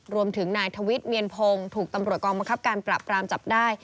รวมถึงนายทวิทย์เมียนพงศ์ถูกตำรวจกองบังคับการปรับปรามจับได้